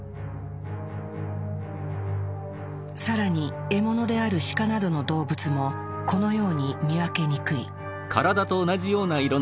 更に獲物であるシカなどの動物もこのように見分けにくい。